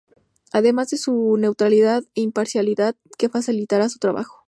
además de su neutralidad e imparcialidad que facilitaría su trabajo